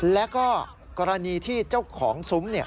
แล้วก็กรณีที่เจ้าของซุ้ม